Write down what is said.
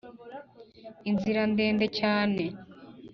inzira ndende cyane